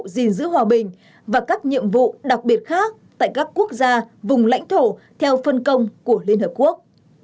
gìn giữ hòa bình và các nhiệm vụ đặc biệt khác tại các quốc gia vùng lãnh thổ theo phân công của liên hợp quốc